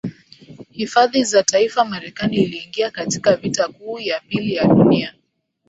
hifadhi za taifa Marekani iliingia katika Vita Kuu ya Pili ya Dunia